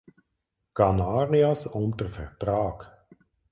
Canarias unter Vertrag.